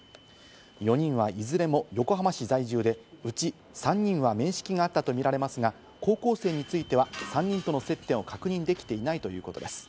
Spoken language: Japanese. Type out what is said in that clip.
４人はいずれも横浜市在住で、うち３人は面識があったとみられますが、高校生については３人との接点を確認できていないということです。